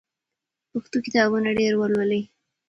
پښتو کتابونه ډېر ولولئ.